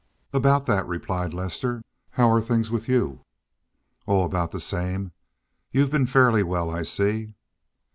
"About that," replied Lester. "How are things with you?" "Oh, about the same. You've been fairly well, I see."